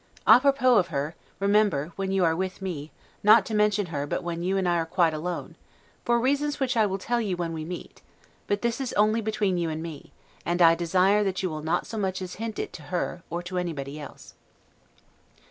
'A propos' of her; remember, when you are with me, not to mention her but when you and I are quite alone, for reasons which I will tell you when we meet: but this is only between you and me; and I desire that you will not so much as hint it to her, or to anybody else.